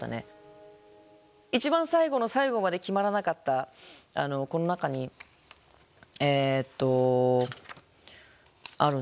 一番最後の最後まで決まらなかったこの中にえっとあるんだけどね。